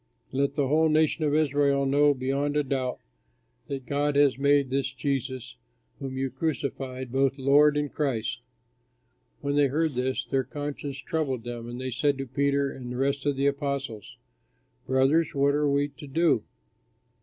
Let the whole nation of Israel know beyond a doubt that God has made this Jesus, whom you crucified, both Lord and Christ." When they heard this, their conscience troubled them, and they said to Peter and the rest of the apostles, "Brothers, what are we to do?"